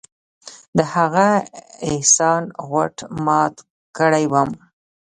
د هغه احسان غوټ مات کړى وم.